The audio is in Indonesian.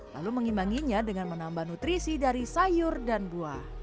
lalu mengimbanginya dengan menambah nutrisi dari sayur dan buah